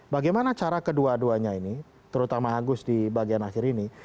bagaimana cara kedua duanya ini terutama agus di bagian akhir ini